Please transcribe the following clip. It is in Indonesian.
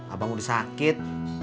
abang udah sakit